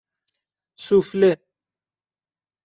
سوفله